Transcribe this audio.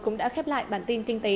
cũng đã khép lại bản tin kinh tế